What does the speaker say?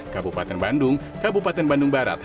kabupaten bandung kabupaten bandung barat